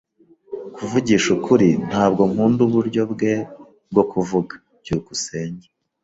Kuvugisha ukuri, ntabwo nkunda uburyo bwe bwo kuvuga. byukusenge